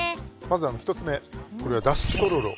まずは１つ目これはだしとろろ。